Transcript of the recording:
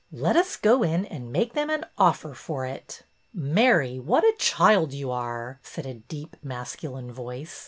Let us go in and make them an offer for it." '' Mary, what a child you are !" said a deep masculine voice.